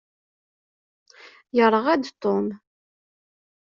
Yeṛɣa-d Tom.